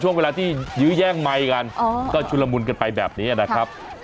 ช่วงเวลาที่ยื้อแย่งไมค์กันก็ชุลมุนกันไปแบบนี้นะครับ